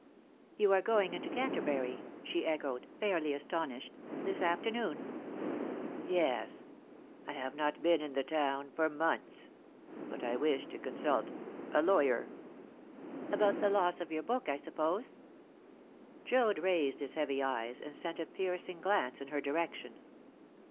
"You are going into Canterbury," she echoed, fairly astonished, "this afternoon?" "Yes; I have not been in the town for months. But I wish to consult a lawyer." "About the loss of your book, I suppose?" Joad raised his heavy eyes, and sent a piercing glance in her direction.